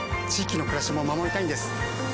域の暮らしも守りたいんです。